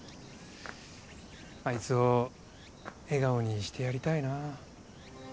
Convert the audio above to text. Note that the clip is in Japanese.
アイツを笑顔にしてやりたいな。